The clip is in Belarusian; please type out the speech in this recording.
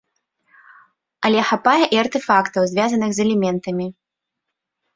Але хапае і артэфактаў, звязаных з элементамі.